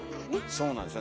そうなんですよ。